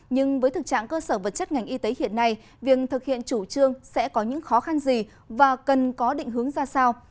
nhưng với thực trạng cơ sở vật chất ngành y tế hiện nay việc thực hiện chủ trương sẽ có những khó khăn gì và cần có định hướng ra sao